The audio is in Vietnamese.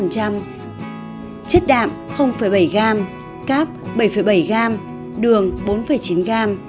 chất đạm bảy gram cáp bảy bảy gram đường bốn chín gram